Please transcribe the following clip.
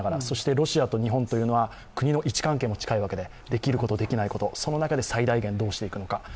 そしてロシアと日本というのは国の位置関係も近いわけで、できること、できないこと、その中で最大限どうしていくのか。